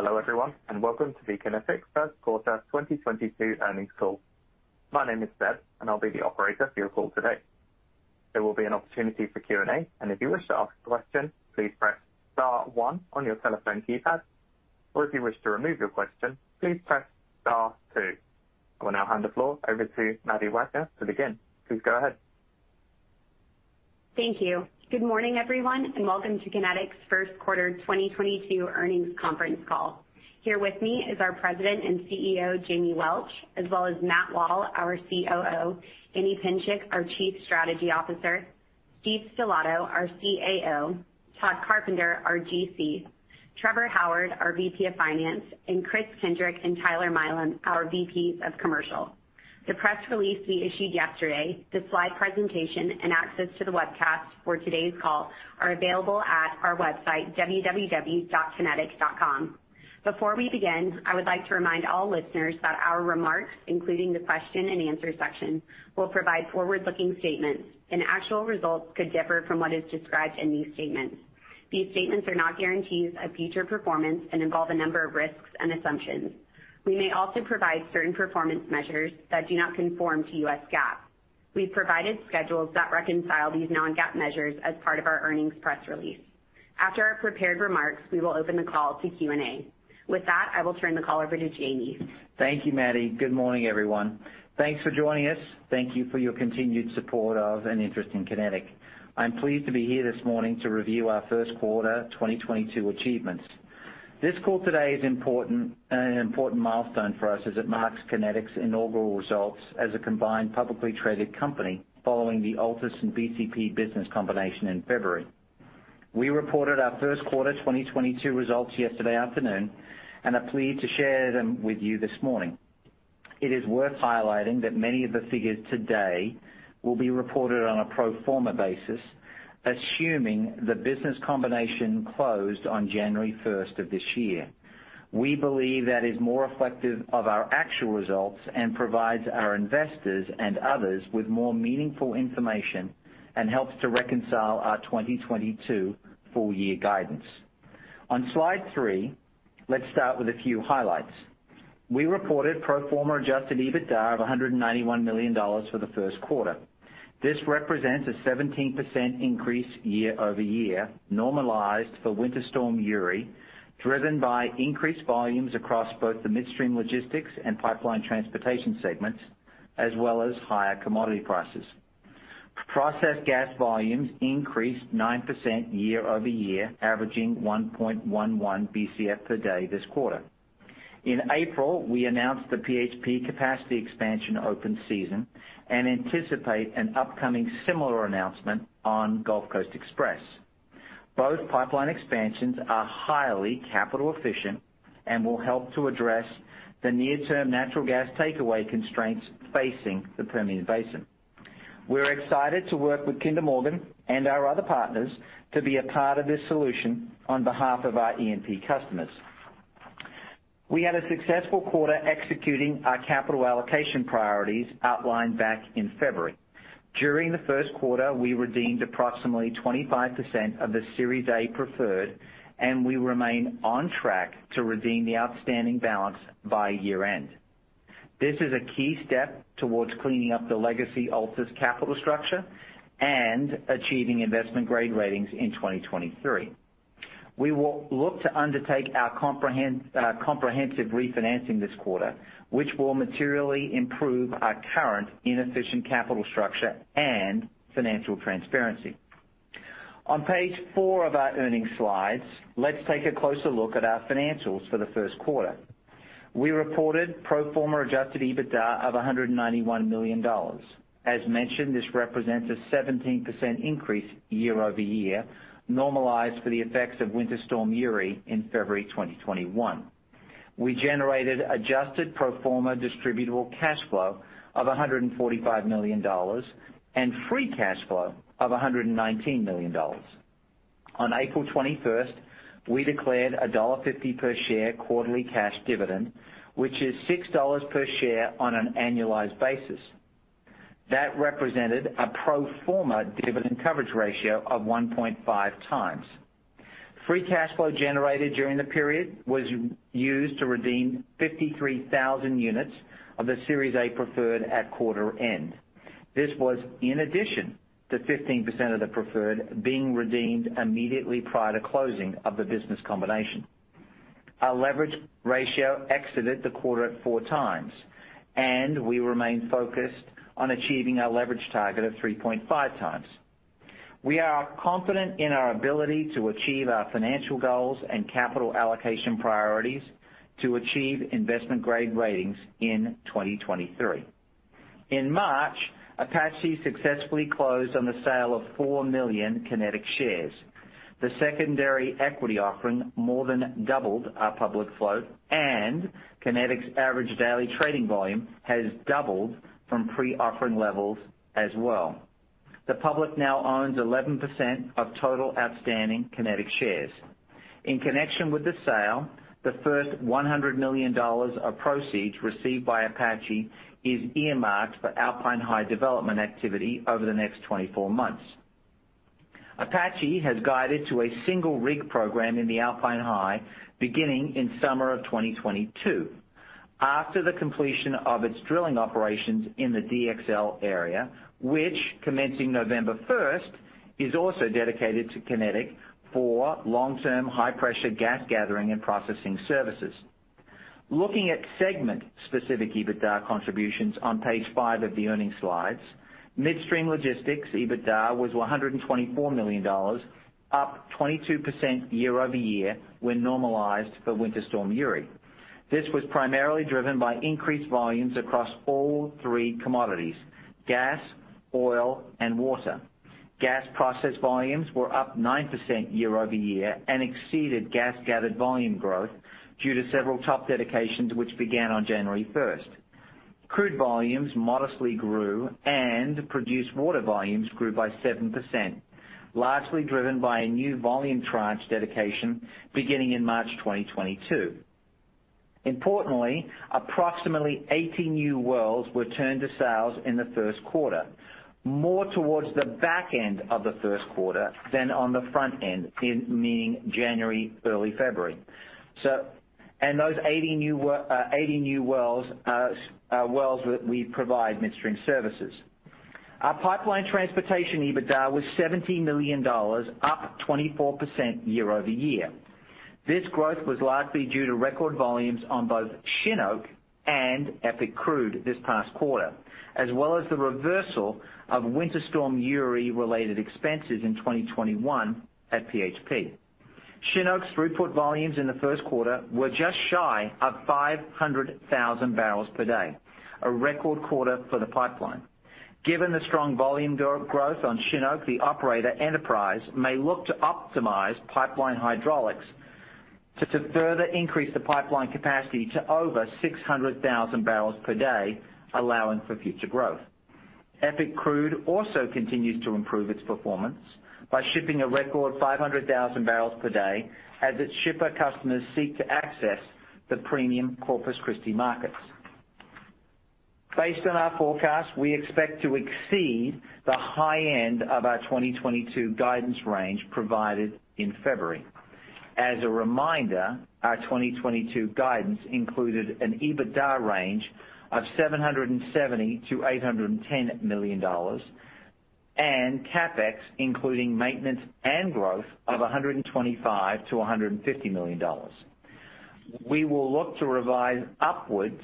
Hello, everyone, and welcome to Kinetik's Q1 2022 earnings call. My name is Seb, and I'll be the operator for your call today. There will be an opportunity for Q&A, and if you wish to ask a question, please press star one on your telephone keypad, or if you wish to remove your question, please press star two. I will now hand the floor over to Maddie Wagner to begin. Please go ahead. Thank you. Good morning, everyone, and welcome to Kinetik's Q1 2022 earnings conference call. Here with me is our President and CEO, Jamie Welch, as well as Matt Wall, our COO, Annie Psencik, our Chief Strategy Officer, Steve Stellato, our CAO, Todd Carpenter, our GC, Trevor Howard, our VP of Finance, and Kris Kindrick and Tyler Milam, our VPs of Commercial. The press release we issued yesterday, the slide presentation, and access to the webcast for today's call are available at our website, www.kinetik.com. Before we begin, I would like to remind all listeners that our remarks, including the question and answer section, will provide forward-looking statements, and actual results could differ from what is described in these statements. These statements are not guarantees of future performance and involve a number of risks and assumptions. We may also provide certain performance measures that do not conform to U.S. GAAP. We've provided schedules that reconcile these non-GAAP measures as part of our earnings press release. After our prepared remarks, we will open the call to Q&A. With that, I will turn the call over to Jamie. Thank you, Maddie. Good morning, everyone. Thanks for joining us. Thank you for your continued support of and interest in Kinetik. I'm pleased to be here this morning to review our Q1 2022 achievements. This call today is important, an important milestone for us as it marks Kinetik's inaugural results as a combined publicly traded company following the Altus and BCP business combination in February. We reported our Q1 2022 results yesterday afternoon and are pleased to share them with you this morning. It is worth highlighting that many of the figures today will be reported on a pro forma basis, assuming the business combination closed on January first of this year. We believe that is more reflective of our actual results and provides our investors and others with more meaningful information and helps to reconcile our 2022 full year guidance. On slide three, let's start with a few highlights. We reported pro forma adjusted EBITDA of $191 million for the Q1. This represents a 17% increase year-over-year, normalized for Winter Storm Uri, driven by increased volumes across both the Midstream Logistics and Pipeline Transportation segments, as well as higher commodity prices. Processed gas volumes increased 9% year-over-year, averaging 1.11 BCF per day this quarter. In April, we announced the PHP capacity expansion open season and anticipate an upcoming similar announcement on Gulf Coast Express. Both pipeline expansions are highly capital efficient and will help to address the near-term natural gas takeaway constraints facing the Permian Basin. We're excited to work with Kinder Morgan and our other partners to be a part of this solution on behalf of our E&P customers. We had a successful quarter executing our capital allocation priorities outlined back in February. During the Q1, we redeemed approximately 25% of the Series A Preferred, and we remain on track to redeem the outstanding balance by year-end. This is a key step towards cleaning up the legacy Altus capital structure and achieving investment grade ratings in 2023. We will look to undertake our comprehensive refinancing this quarter, which will materially improve our current inefficient capital structure and financial transparency. On page 4 of our earnings slides, let's take a closer look at our financials for the Q1. We reported pro forma adjusted EBITDA of $191 million. As mentioned, this represents a 17% increase year-over-year, normalized for the effects of Winter Storm Uri in February 2021. We generated adjusted pro forma distributable cash flow of $145 million and free cash flow of $119 million. On April 21st, we declared a $1.50 per share quarterly cash dividend, which is $6 per share on an annualized basis. That represented a pro forma dividend coverage ratio of 1.5 times. Free cash flow generated during the period was used to redeem 53,000 units of the Series A Preferred at quarter end. This was in addition to 15% of the preferred being redeemed immediately prior to closing of the business combination. Our leverage ratio exited the quarter at four times, and we remain focused on achieving our leverage target of 3.5 times. We are confident in our ability to achieve our financial goals and capital allocation priorities to achieve investment-grade ratings in 2023. In March, Apache successfully closed on the sale of fourmillion Kinetik shares. The secondary equity offering more than doubled our public float, and Kinetik's average daily trading volume has doubled from pre-offering levels as well. The public now owns 11% of total outstanding Kinetik shares. In connection with the sale, the first $100 million of proceeds received by Apache is earmarked for Alpine High development activity over the next 24 months. Apache has guided to a single rig program in the Alpine High beginning in summer of 2022 after the completion of its drilling operations in the DXL area, which commencing November first, is also dedicated to Kinetik for long-term high-pressure gas gathering and processing services. Looking at segment-specific EBITDA contributions on page five of the earnings slides, Midstream Logistics EBITDA was $124 million, up 22% year-over-year when normalized for Winter Storm Uri. This was primarily driven by increased volumes across all three commodities, gas, oil and water. Gas process volumes were up 9% year-over-year and exceeded gas gathered volume growth due to several top dedications, which began on January first. Crude volumes modestly grew and produced water volumes grew by 7%, largely driven by a new volume tranche dedication beginning in March 2022. Importantly, approximately 80 new wells were turned to sales in the Q1, more towards the back end of the Q1 than on the front end, I mean January, early February. Those 80 new wells are wells that we provide midstream services. Our pipeline transportation EBITDA was $70 million, up 24% year-over-year. This growth was largely due to record volumes on both Chinook and EPIC Crude this past quarter, as well as the reversal of Winter Storm Uri-related expenses in 2021 at PHP. Chinook's throughput volumes in the Q1 were just shy of 500,000 barrels per day, a record quarter for the pipeline. Given the strong volume growth on Chinook, the operator Enterprise may look to optimize pipeline hydraulics to further increase the pipeline capacity to over 600,000 barrels per day, allowing for future growth. EPIC Crude also continues to improve its performance by shipping a record 500,000 barrels per day as its shipper customers seek to access the premium Corpus Christi markets. Based on our forecast, we expect to exceed the high end of our 2022 guidance range provided in February. As a reminder, our 2022 guidance included an EBITDA range of $770 million-$810 million and CapEx, including maintenance and growth of $125 million-$150 million. We will look to revise upwards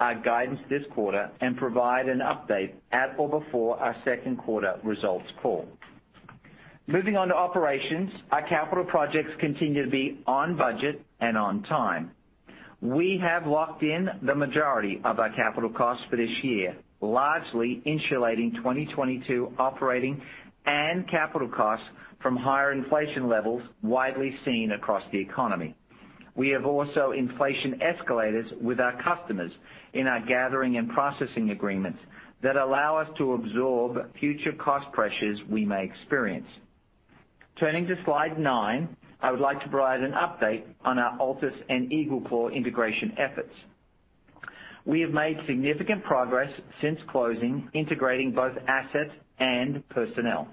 our guidance this quarter and provide an update at or before our Q1 results call. Moving on to operations, our capital projects continue to be on budget and on time. We have locked in the majority of our capital costs for this year, largely insulating 2022 operating and capital costs from higher inflation levels widely seen across the economy. We have also inflation escalators with our customers in our gathering and processing agreements that allow us to absorb future cost pressures we may experience. Turning to slide nine, I would like to provide an update on our Altus and EagleClaw integration efforts. We have made significant progress since closing, integrating both assets and personnel.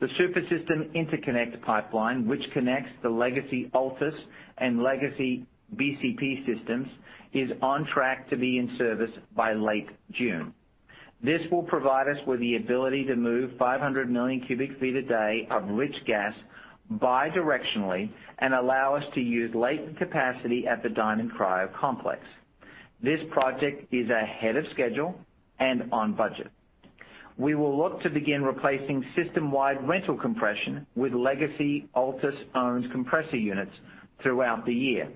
The Super System Interconnect Pipeline, which connects the legacy Altus and legacy BCP systems, is on track to be in service by late June. This will provide us with the ability to move 500 million cubic feet a day of rich gas bidirectionally and allow us to use latent capacity at the Diamond Cryo Complex. This project is ahead of schedule and on budget. We will look to begin replacing system-wide rental compression with legacy Altus-owned compressor units throughout the year.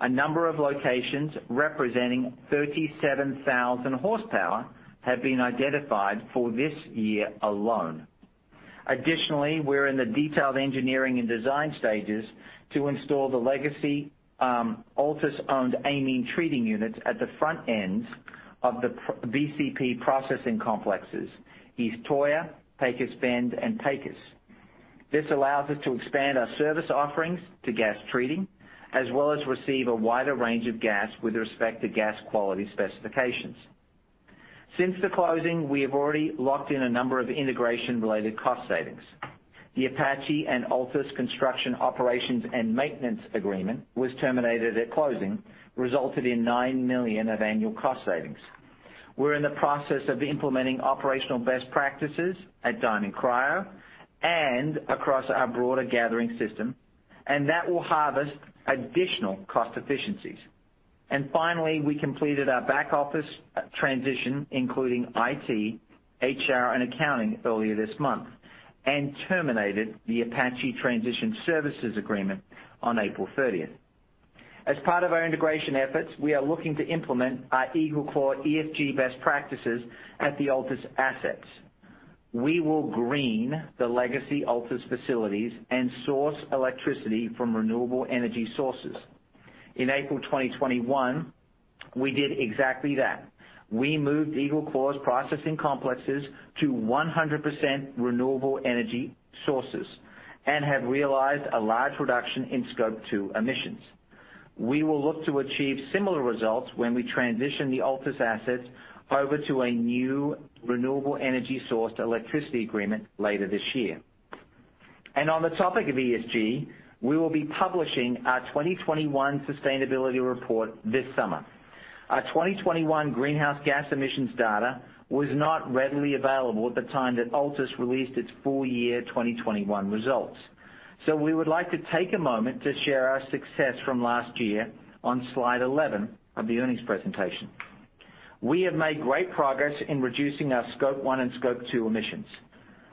A number of locations representing 37,000 horsepower have been identified for this year alone. We're in the detailed engineering and design stages to install the legacy Altus-owned amine treating units at the front ends of the BCP processing complexes, East Toyah, Pecos Bend, and Pecos. This allows us to expand our service offerings to gas treating, as well as receive a wider range of gas with respect to gas quality specifications. Since the closing, we have already locked in a number of integration-related cost savings. The Apache and Altus Construction Operations and Maintenance Agreement was terminated at closing, resulted in $9 million of annual cost savings. We're in the process of implementing operational best practices at Diamond Cryo and across our broader gathering system, and that will harvest additional cost efficiencies. Finally, we completed our back office transition, including IT, HR, and accounting earlier this month, and terminated the Apache Transition Services Agreement on April 30. As part of our integration efforts, we are looking to implement our EagleClaw ESG best practices at the Altus assets. We will green the legacy Altus facilities and source electricity from renewable energy sources. In April 2021, we did exactly that. We moved EagleClaw's processing complexes to 100% renewable energy sources and have realized a large reduction in Scope 2 emissions. We will look to achieve similar results when we transition the Altus assets over to a new renewable energy source electricity agreement later this year. On the topic of ESG, we will be publishing our 2021 sustainability report this summer. Our 2021 greenhouse gas emissions data was not readily available at the time that Altus released its full year 2021 results. We would like to take a moment to share our success from last year on slide 11 of the earnings presentation. We have made great progress in reducing our Scope one and Scope 2 emissions.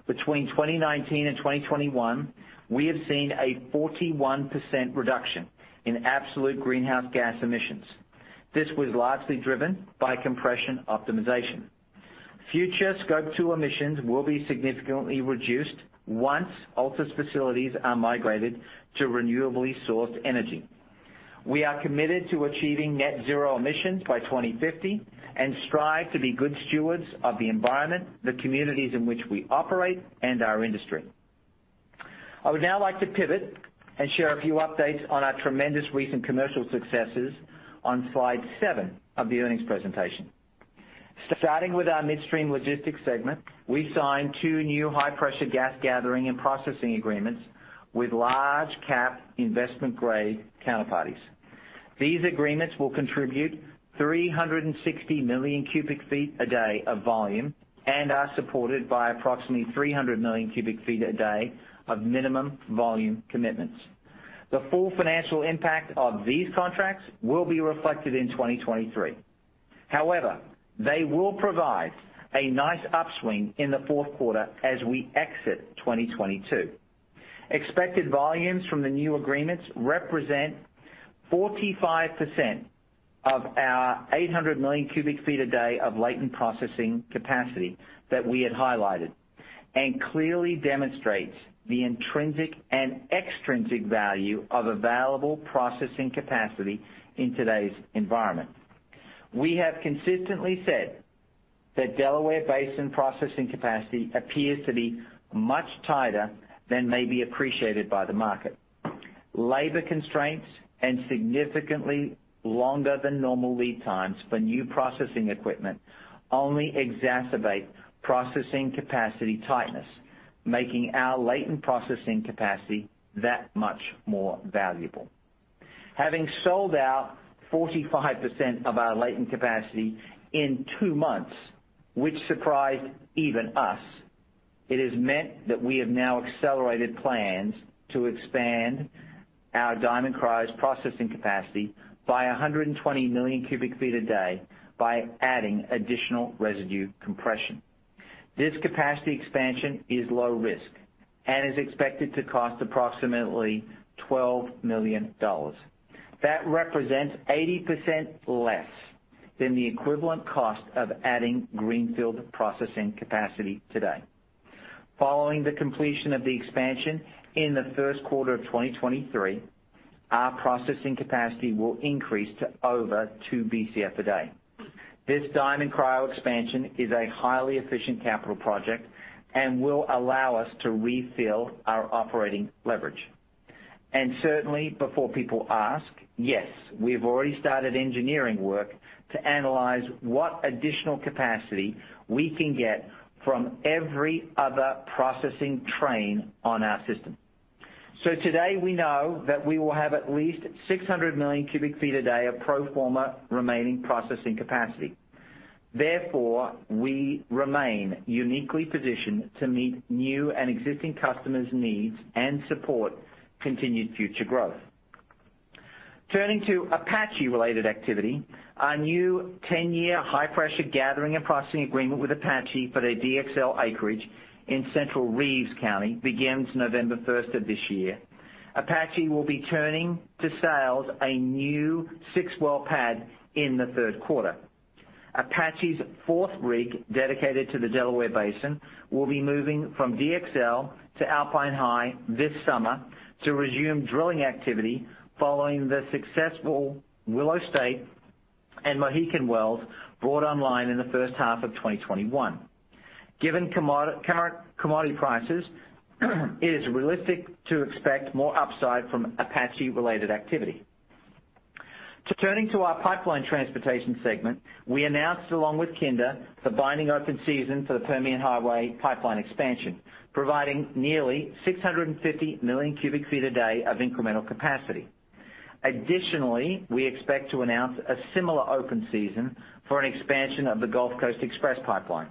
Between 2019 and 2021, we have seen a 41% reduction in absolute greenhouse gas emissions. This was largely driven by compression optimization. Future Scope 2 emissions will be significantly reduced once Altus facilities are migrated to renewably sourced energy. We are committed to achieving net zero emissions by 2050 and strive to be good stewards of the environment, the communities in which we operate, and our industry. I would now like to pivot and share a few updates on our tremendous recent commercial successes on slide seven of the earnings presentation. Starting with our Midstream Logistics segment, we signed two new high-pressure gas gathering and processing agreements with large cap investment-grade counterparties. These agreements will contribute 360 million cubic feet a day of volume and are supported by approximately 300 million cubic feet a day of minimum volume commitments. The full financial impact of these contracts will be reflected in 2023. However, they will provide a nice upswing in the Q4 as we exit 2022. Expected volumes from the new agreements represent 45% of our 800 million cubic feet a day of latent processing capacity that we had highlighted and clearly demonstrates the intrinsic and extrinsic value of available processing capacity in today's environment. We have consistently said that Delaware Basin processing capacity appears to be much tighter than may be appreciated by the market. Labor constraints and significantly longer than normal lead times for new processing equipment only exacerbate processing capacity tightness, making our latent processing capacity that much more valuable. Having sold out 45% of our latent capacity in two months, which surprised even us, it has meant that we have now accelerated plans to expand our Diamond Cryo's processing capacity by 120 million cubic feet a day by adding additional residue compression. This capacity expansion is low risk and is expected to cost approximately $12 million. That represents 80% less than the equivalent cost of adding greenfield processing capacity today. Following the completion of the expansion in the Q1 of 2023, our processing capacity will increase to over 2 BCF a day. This Diamond Cryo expansion is a highly efficient capital project and will allow us to refill our operating leverage. Certainly, before people ask, yes, we've already started engineering work to analyze what additional capacity we can get from every other processing train on our system. Today, we know that we will have at least 600 million cubic feet a day of pro forma remaining processing capacity. Therefore, we remain uniquely positioned to meet new and existing customers' needs and support continued future growth. Turning to Apache-related activity, our new 10-year high-pressure gathering and processing agreement with Apache for their DXL acreage in central Reeves County begins November first of this year. Apache will be turning to sales a new 6-well pad in the Q3. Apache's fourth rig dedicated to the Delaware Basin will be moving from DXL to Alpine High this summer to resume drilling activity following the successful Willow State and Mohican wells brought online in the first half of 2021. Given current commodity prices, it is realistic to expect more upside from Apache-related activity. Turning to our pipeline transportation segment, we announced, along with Kinder, the binding open season for the Permian Highway pipeline expansion, providing nearly 650 million cubic feet a day of incremental capacity. Additionally, we expect to announce a similar open season for an expansion of the Gulf Coast Express pipeline.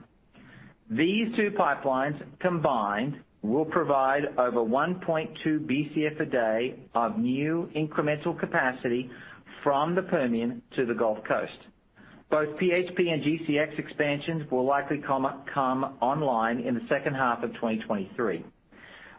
These two pipelines combined will provide over 1.2 BCF a day of new incremental capacity from the Permian to the Gulf Coast. Both PHP and GCX expansions will likely come online in the second half of 2023.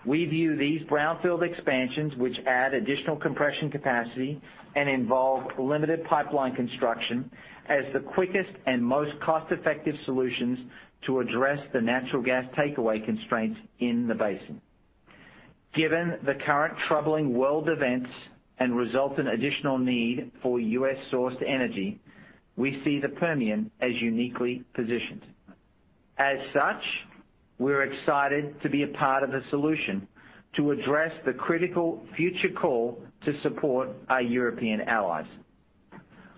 We view these brownfield expansions, which add additional compression capacity and involve limited pipeline construction, as the quickest and most cost-effective solutions to address the natural gas takeaway constraints in the basin. Given the current troubling world events and resultant additional need for US-sourced energy, we see the Permian as uniquely positioned. As such, we're excited to be a part of a solution to address the critical future call to support our European allies.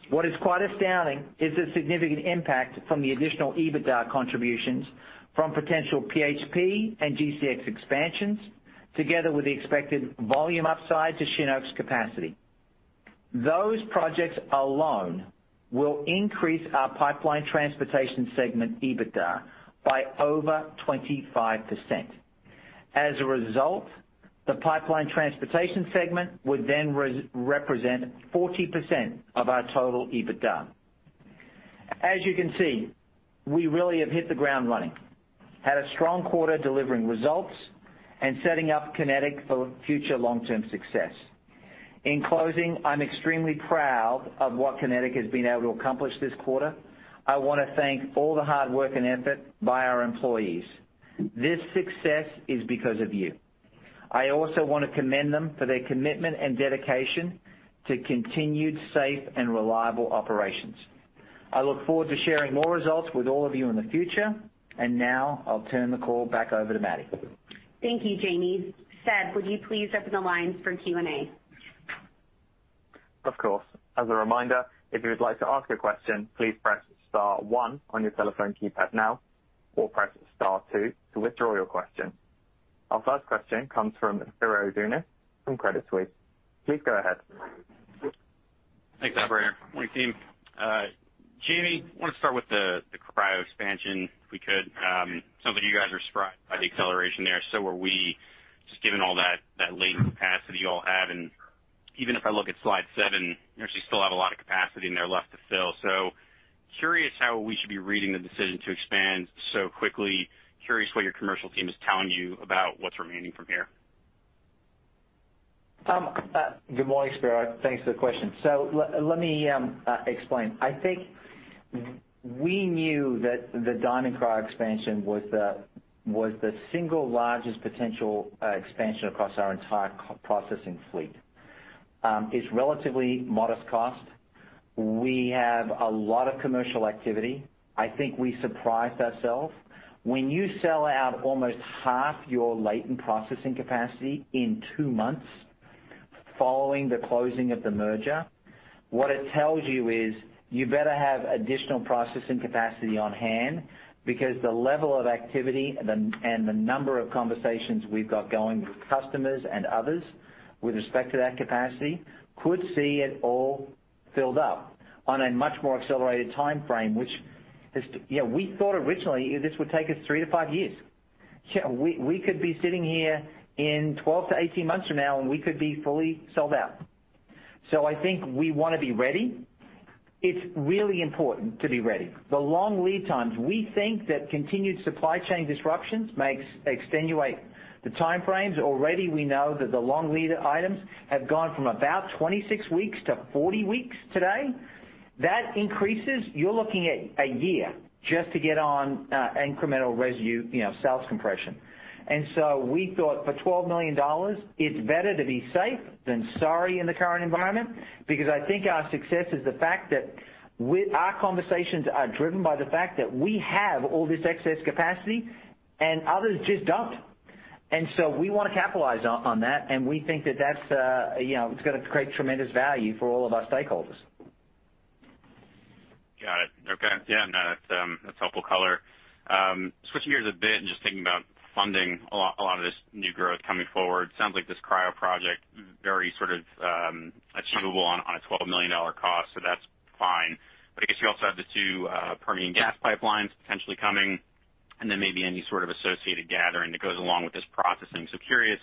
What is quite astounding is the significant impact from the additional EBITDA contributions from potential PHP and GCX expansions, together with the expected volume upside to Chinook's capacity. Those projects alone will increase our pipeline transportation segment EBITDA by over 25%. As a result, the pipeline transportation segment would then represent 40% of our total EBITDA. As you can see, we really have hit the ground running, had a strong quarter delivering results and setting up Kinetik for future long-term success. In closing, I'm extremely proud of what Kinetik has been able to accomplish this quarter. I wanna thank all the hard work and effort by our employees. This success is because of you. I also wanna commend them for their commitment and dedication to continued safe and reliable operations. I look forward to sharing more results with all of you in the future. Now I'll turn the call back over to Maddie. Thank you, Jamie. Seb, would you please open the lines for Q&A? Of course. As a reminder, if you would like to ask a question, please press star one on your telephone keypad now or press star two to withdraw your question. Our first question comes from Spiro Dounis from Credit Suisse. Please go ahead. Thanks, operator. Good morning, team. Jamie, wanna start with the cryo expansion, if we could. Some of you guys are surprised by the acceleration there, so are we, just given all that latent capacity you all have. Even if I look at slide seven, you actually still have a lot of capacity in there left to fill. Curious how we should be reading the decision to expand so quickly. Curious what your commercial team is telling you about what's remaining from here. Good morning, Spiro. Thanks for the question. Let me explain. I think we knew that the Diamond Cryo expansion was the single largest potential expansion across our entire processing fleet. It's relatively modest cost. We have a lot of commercial activity. I think we surprised ourselves. When you sell out almost half your latent processing capacity in two months following the closing of the merger, what it tells you is you better have additional processing capacity on hand because the level of activity and the number of conversations we've got going with customers and others with respect to that capacity could see it all filled up on a much more accelerated timeframe, which is. You know, we thought originally this would take us three to five years. We could be sitting here in 12-18 months from now, and we could be fully sold out. I think we wanna be ready. It's really important to be ready. The long lead times, we think that continued supply chain disruptions make exacerbate the time frames. Already we know that the long lead items have gone from about 26 weeks to 40 weeks today. That increases, you're looking at a year just to get on, incremental you know, sales compression. We thought for $12 million, it's better to be safe than sorry in the current environment because I think our success is the fact that our conversations are driven by the fact that we have all this excess capacity and others just don't. We wanna capitalize on that, and we think that that's, you know, it's gonna create tremendous value for all of our stakeholders. Got it. Okay. Yeah, no, that's helpful color. Switching gears a bit and just thinking about funding a lot of this new growth coming forward. Sounds like this cryo project very sort of achievable on a $12 million cost, so that's fine. But I guess you also have the two Permian gas pipelines potentially coming and then maybe any sort of associated gathering that goes along with this processing. Curious,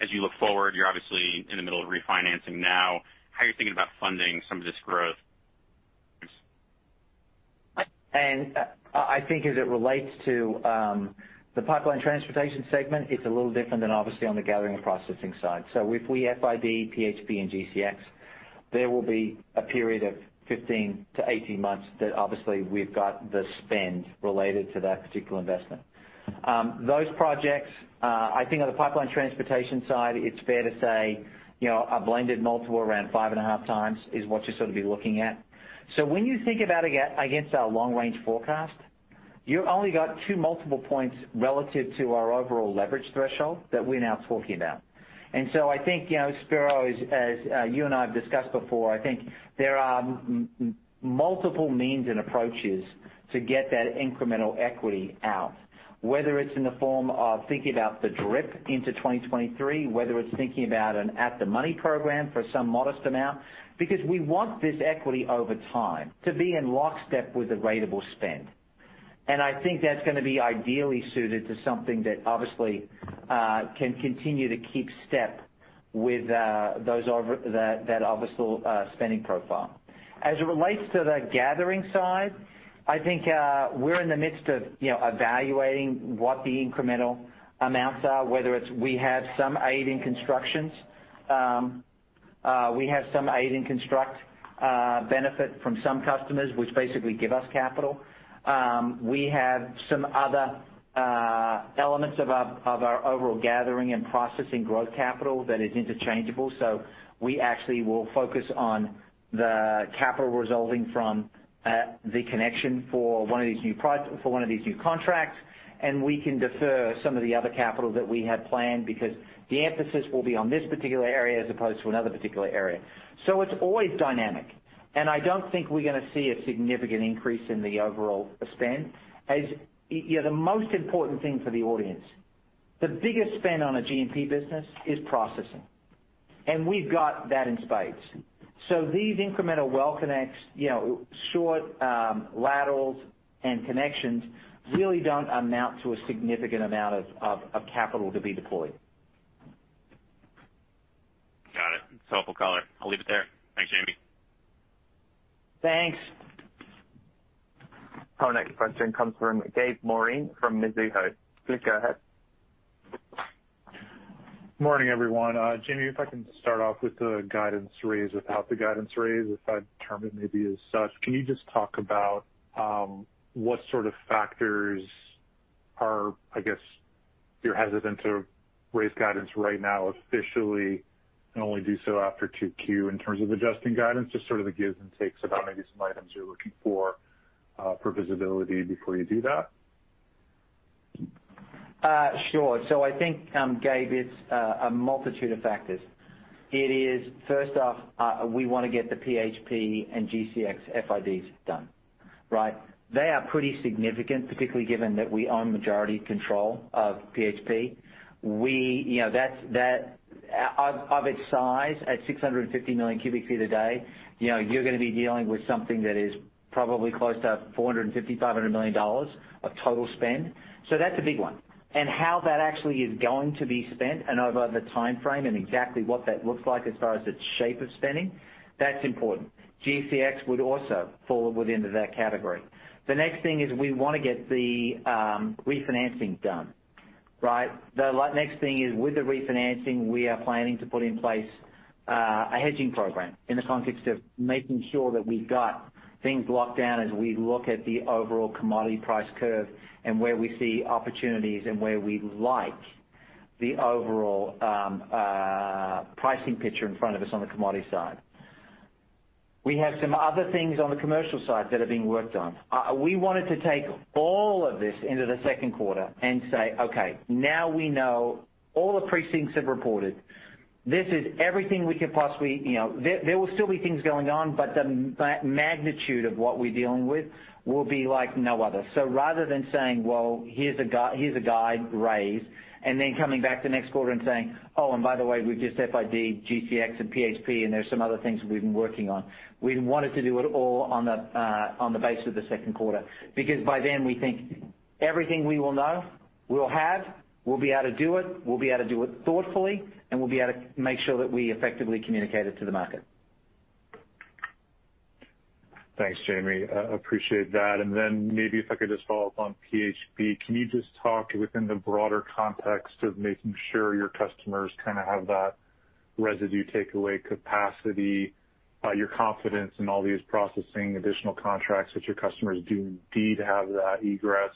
as you look forward, you're obviously in the middle of refinancing now, how you're thinking about funding some of this growth? I think as it relates to the pipeline transportation segment, it's a little different than obviously on the gathering and processing side. If we FID PHP and GCX, there will be a period of 15-18 months that obviously we've got the spend related to that particular investment. Those projects, I think on the pipeline transportation side, it's fair to say, you know, a blended multiple around 5.5x is what you'll sort of be looking at. When you think about against our long-range forecast, you only got 2 multiple points relative to our overall leverage threshold that we're now talking about. I think, you know, Spiro, as you and I have discussed before, I think there are multiple means and approaches to get that incremental equity out, whether it's in the form of thinking about the DRIP into 2023, whether it's thinking about an at-the-money program for some modest amount, because we want this equity over time to be in lockstep with the ratable spend. I think that's gonna be ideally suited to something that obviously can continue to keep step with that overall spending profile. As it relates to the gathering side, I think we're in the midst of evaluating what the incremental amounts are, whether it's we have some aid in construction benefit from some customers which basically give us capital. We have some other elements of our overall gathering and processing growth capital that is interchangeable. We actually will focus on the capital resulting from the connection for one of these new contracts, and we can defer some of the other capital that we had planned because the emphasis will be on this particular area as opposed to another particular area. It's always dynamic, and I don't think we're gonna see a significant increase in the overall spend. You know, the most important thing for the audience, the biggest spend on a G&P business is processing, and we've got that in spades. These incremental well connects, you know, short laterals and connections really don't amount to a significant amount of capital to be deployed. Got it. It's helpful color. I'll leave it there. Thanks, Jamie. Thanks. Our next question comes from Gabe Moreen from Mizuho. Please go ahead. Morning, everyone. Jamie, if I can start off with the guidance raise. Without the guidance raise, if I determine maybe as such, can you just talk about what sort of factors are. I guess you're hesitant to raise guidance right now officially and only do so after 2Q in terms of adjusting guidance. Just sort of the gives and takes about maybe some items you're looking for for visibility before you do that. Sure. I think, Gabe, it's a multitude of factors. It is first off, we wanna get the PHP and GCX FIDs done, right? They are pretty significant, particularly given that we own majority control of PHP. We, you know, that's of its size at 650 million cubic feet a day, you know, you're gonna be dealing with something that is probably close to $450-$500 million of total spend. So that's a big one. How that actually is going to be spent and over the timeframe and exactly what that looks like as far as its shape of spending, that's important. GCX would also fall within that category. The next thing is we wanna get the refinancing done, right? The next thing is, with the refinancing, we are planning to put in place a hedging program in the context of making sure that we've got things locked down as we look at the overall commodity price curve and where we see opportunities and where we like the overall pricing picture in front of us on the commodity side. We have some other things on the commercial side that are being worked on. We wanted to take all of this into the Q2 and say, "Okay, now we know all the peers have reported. This is everything we could possibly." You know, there will still be things going on, but the magnitude of what we're dealing with will be like no other. Rather than saying, "Well, here's a guide raise," and then coming back the next quarter and saying, "Oh, and by the way, we've just FID'd GCX and PHP, and there are some other things we've been working on." We wanted to do it all on the basis of the Q2. Because by then, we think everything we will know, we'll have, we'll be able to do it thoughtfully, and we'll be able to make sure that we effectively communicate it to the market. Thanks, Jamie. Appreciate that. Maybe if I could just follow up on PHP. Can you just talk within the broader context of making sure your customers kinda have that residue takeaway capacity, your confidence in all these processing additional contracts that your customers do indeed have that egress?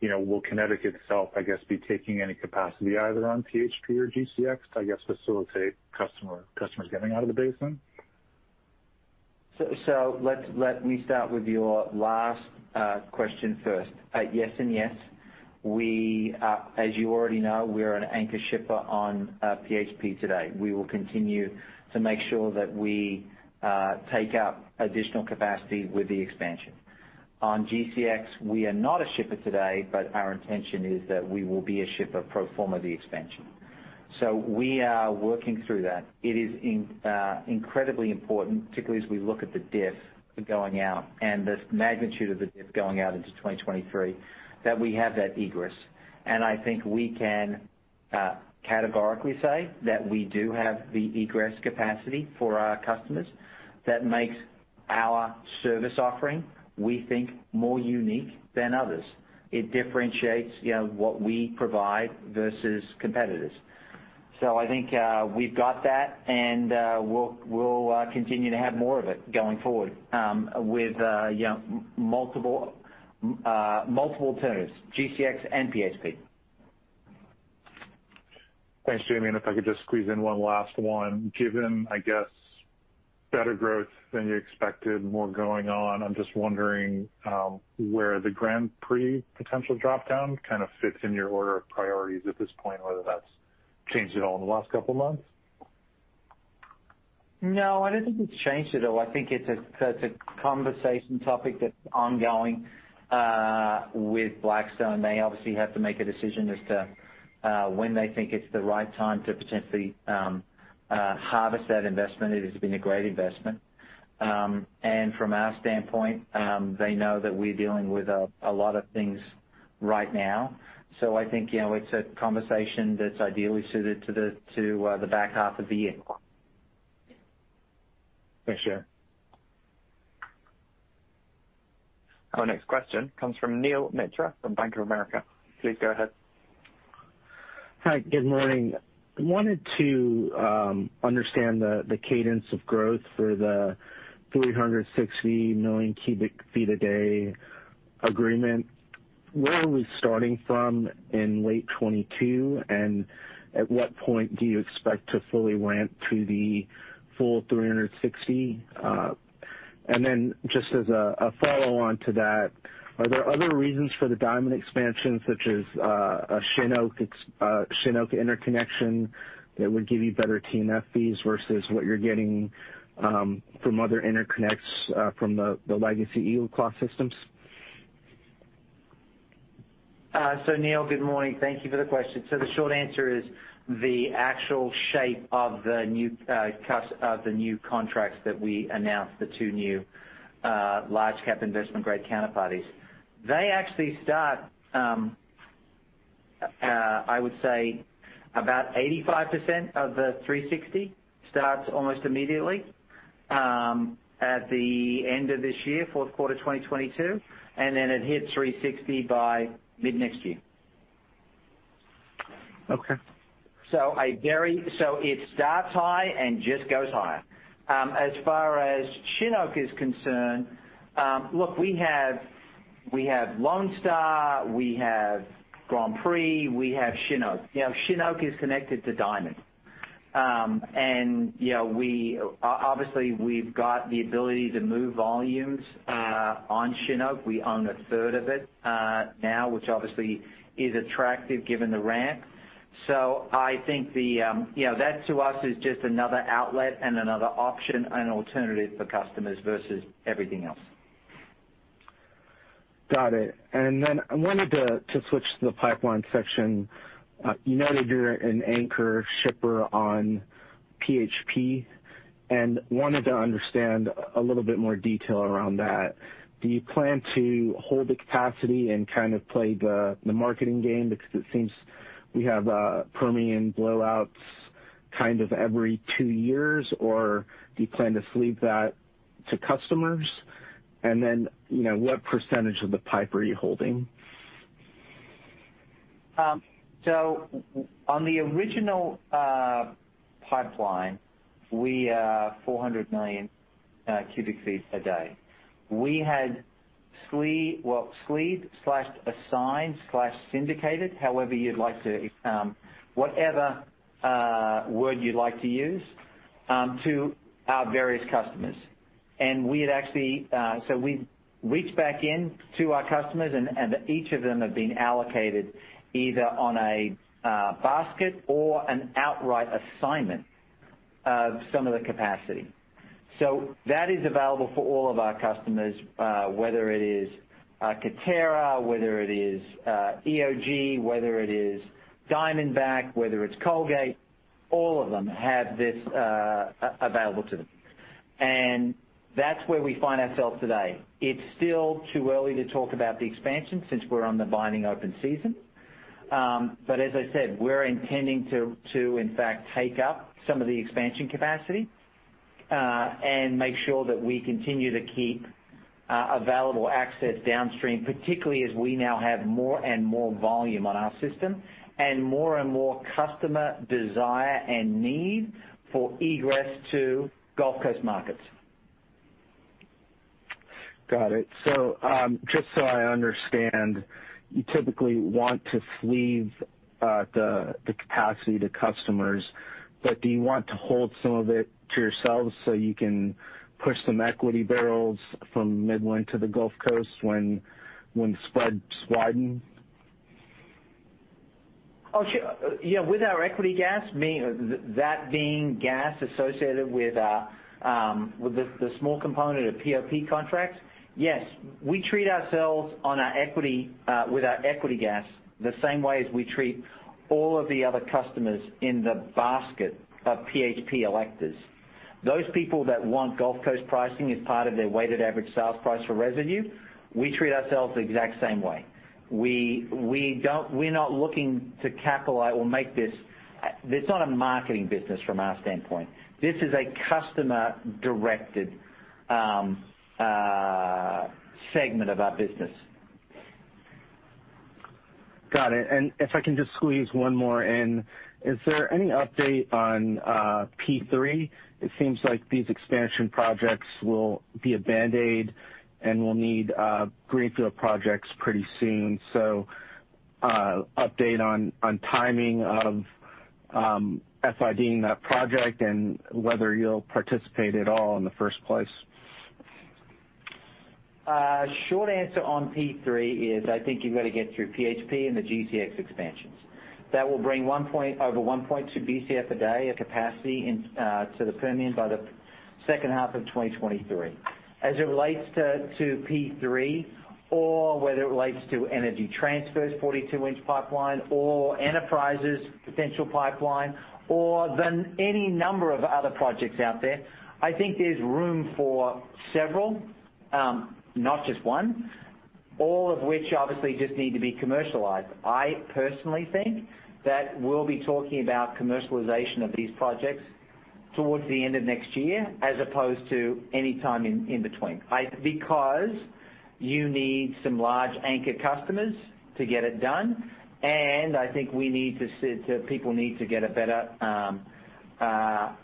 You know, will Kinetik itself, I guess, be taking any capacity either on PHP or GCX to, I guess, facilitate customers getting out of the basin? Let me start with your last question first. Yes and yes. We, as you already know, we are an anchor shipper on PHP today. We will continue to make sure that we take up additional capacity with the expansion. On GCX, we are not a shipper today, but our intention is that we will be a shipper pro forma the expansion. We are working through that. It is incredibly important, particularly as we look at the diff going out and the magnitude of the diff going out into 2023, that we have that egress. I think we can categorically say that we do have the egress capacity for our customers. That makes our service offering, we think, more unique than others. It differentiates, you know, what we provide versus competitors. I think we've got that, and we'll continue to have more of it going forward, with you know, multiple tenants, GCX and PHP. Thanks, Jamie. If I could just squeeze in one last one. Given, I guess, better growth than you expected, more going on, I'm just wondering where the Grand Prix potential drop-down kind of fits in your order of priorities at this point, whether that's changed at all in the last couple of months. No, I don't think it's changed at all. I think it's a conversation topic that's ongoing with Blackstone. They obviously have to make a decision as to when they think it's the right time to potentially harvest that investment. It has been a great investment. From our standpoint, they know that we're dealing with a lot of things right now. I think, you know, it's a conversation that's ideally suited to the back half of the year. Thanks, Jamie. Our next question comes from Neel Mitra from Bank of America. Please go ahead. Hi, good morning. I wanted to understand the cadence of growth for the 360 million cubic feet a day agreement. Where are we starting from in late 2022? At what point do you expect to fully ramp to the full 360? Then just as a follow-on to that, are there other reasons for the Diamondback expansion, such as a Chinook interconnection that would give you better T&F fees versus what you're getting from other interconnects from the legacy EagleClaw systems? Neil, good morning. Thank you for the question. The short answer is the actual shape of the new contracts that we announced, the two new large-cap investment-grade counterparties. They actually start, I would say about 85% of the $360 starts almost immediately, at the end of this year, Q4 2022, and then it hits $360 by mid-next year. Okay. It starts high and just goes higher. As far as Chinook is concerned, look, we have Lone Star, we have Grand Prix, we have Chinook. You know, Chinook is connected to Diamondback. You know, we obviously have the ability to move volumes on Chinook. We own a third of it now, which obviously is attractive given the ramp. I think you know, that to us is just another outlet and another option, an alternative for customers versus everything else. Got it. I wanted to switch to the pipeline section. You noted you're an anchor shipper on PHP and wanted to understand a little bit more detail around that. Do you plan to hold the capacity and kind of play the marketing game because it seems we have Permian blowouts kind of every two years, or do you plan to sleeve that to customers? You know, what percentage of the pipe are you holding? On the original pipeline, we 400 million cubic feet a day. We had sleeved, assigned, syndicated, however you'd like to use whatever word, to our various customers. We had actually reached back into our customers and each of them have been allocated either on a basket or an outright assignment of some of the capacity. That is available for all of our customers, whether it is Coterra, whether it is EOG, whether it is Diamondback, whether it's Callon. All of them have this available to them. That's where we find ourselves today. It's still too early to talk about the expansion since we're on the binding open season. As I said, we're intending to in fact take up some of the expansion capacity, and make sure that we continue to keep available access downstream, particularly as we now have more and more volume on our system and more and more customer desire and need for egress to Gulf Coast markets. Got it. Just so I understand, you typically want to sleeve the capacity to customers, but do you want to hold some of it to yourselves so you can push some equity barrels from Midland to the Gulf Coast when spreads widen? Oh, sure. Yeah, with our equity gas, that being gas associated with the small component of POP contracts. Yes, we treat ourselves on our equity with our equity gas the same way as we treat all of the other customers in the basket of PHP allocations. Those people that want Gulf Coast pricing as part of their weighted average sales price for residue, we treat ourselves the exact same way. We're not looking to capitalize or make this. It's not a marketing business from our standpoint. This is a customer-directed segment of our business. Got it. If I can just squeeze one more in. Is there any update on P3? It seems like these expansion projects will be a band-aid and we'll need greenfield projects pretty soon. Update on timing of FID-ing that project and whether you'll participate at all in the first place. Short answer on P3 is I think you've got to get through PHP and the GCX expansions. That will bring over 1.2 BCF a day of capacity in to the Permian by the second half of 2023. As it relates to P3 or whether it relates to Energy Transfer's 42-inch pipeline or Enterprise's potential pipeline or then any number of other projects out there, I think there's room for several, not just one, all of which obviously just need to be commercialized. I personally think that we'll be talking about commercialization of these projects towards the end of next year as opposed to any time in between. Because you need some large anchor customers to get it done, and I think we need to see people need to get a better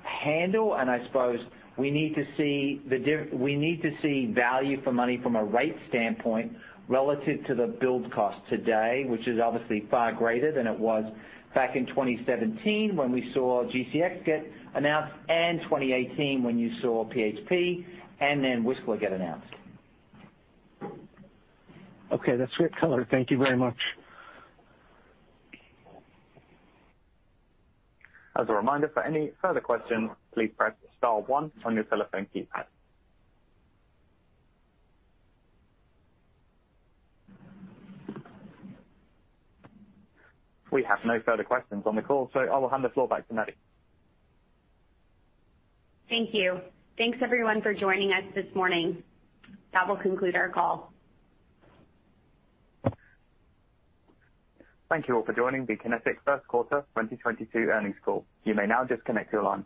handle, and I suppose we need to see the value for money from a rate standpoint relative to the build cost today, which is obviously far greater than it was back in 2017 when we saw GCX get announced and 2018 when you saw PHP and then Whistler get announced. Okay, that's great color. Thank you very much. As a reminder, for any further questions, please press star one on your telephone keypad. We have no further questions on the call, so I will hand the floor back to Maddie. Thank you. Thanks everyone for joining us this morning. That will conclude our call. Thank you all for joining the Kinetik Q1 2022 earnings call. You may now disconnect your line.